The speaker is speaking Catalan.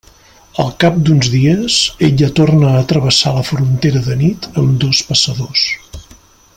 Al cap d'uns dies, ella torna a travessar la frontera de nit amb dos passadors.